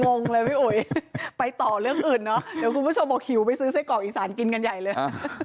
งงเลยพี่อุ๋ยไปต่อเรื่องอื่นเนอะเดี๋ยวคุณผู้ชมบอกหิวไปซื้อไส้กรอกอีสานกินกันใหญ่เลย